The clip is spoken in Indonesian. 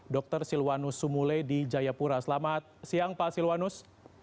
dr silwanus sumule di jayapura selamat siang pak silwanus